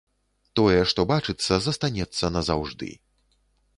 Тое, што бачыцца, застанецца назаўжды.